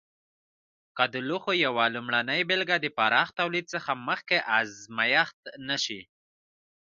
که د لوښو یوه لومړنۍ بېلګه د پراخ تولید څخه مخکې ازمېښت نه شي.